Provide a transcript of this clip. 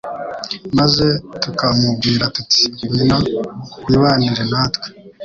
maze tukamubwira, tuti : ngwino wibanire natwe.